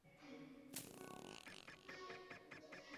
Rais Samia amewataka Watanzania kumpa muda aimarishe uchumi wa nchi